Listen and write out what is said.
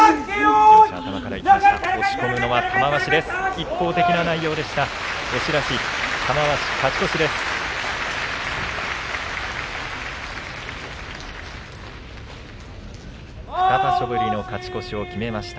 一方的な内容でした。